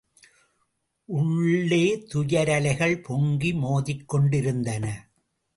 உள்ளே துயரலைகள் பொங்கி மோதிக்கொண்டிருந்தன.